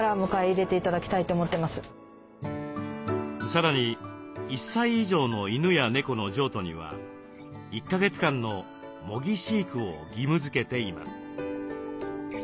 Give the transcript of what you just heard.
さらに１歳以上の犬や猫の譲渡には１か月間の「模擬飼育」を義務づけています。